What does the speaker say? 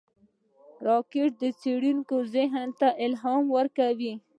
راکټ د څېړونکو ذهن ته الهام ورکړ